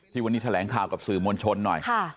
วันนี้แถลงข่าวกับสื่อมวลชนหน่อย